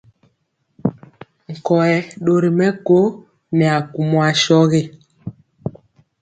Nkɔyɛ ɗori mɛko nɛ akumɔ asɔgi.